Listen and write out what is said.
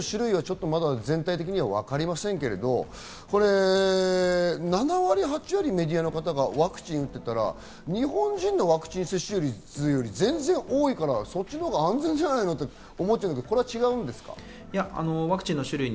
ワクチンの種類は全体的にはわかりませんけど、７割、８割、メディアの方がワクチンを打っていたら、日本人のワクチン接種率より全然多いから、そっちのほうが安全じゃないの？って思っちゃうんだけど、これは違うんですか？